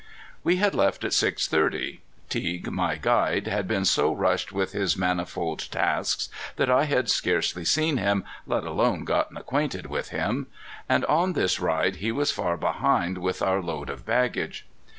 We had left at six thirty. Teague, my guide, had been so rushed with his manifold tasks that I had scarcely seen him, let alone gotten acquainted with him. And on this ride he was far behind with our load of baggage.